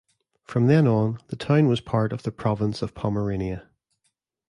From then on, the town was part of the Province of Pomerania.